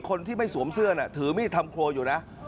คนที่ไม่สวมเสื้อถือมีดทำครัวอยู่นะ